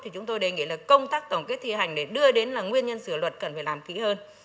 thì chúng tôi đề nghị là công tác tổng kết thi hành để đưa đến là nguyên nhân sửa luật cần phải làm kỹ hơn